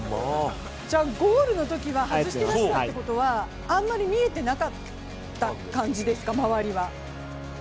ゴールのときは外していらしたということは、あんまり見えていなかった感じですか、周りは。